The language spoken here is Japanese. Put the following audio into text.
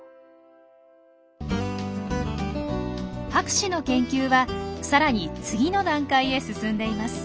博士の研究はさらに次の段階へ進んでいます。